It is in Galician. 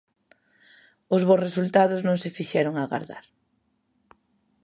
Os bos resultados non se fixeron agardar.